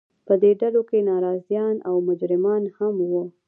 په دې ډلو کې ناراضیان او مجرمان هم وو.